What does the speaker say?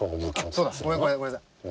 あっそうだごめんごめんごめんなさい。